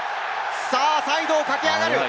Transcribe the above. さぁ、サイドを駆け上がる！